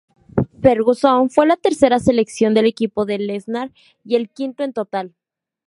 Ferguson fue la tercera selección del equipo de Lesnar y el quinto en total.